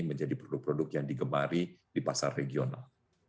menjadi produk produk yang digemari di pasar regional